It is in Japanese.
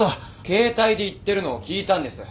携帯で言ってるのを聞いたんです。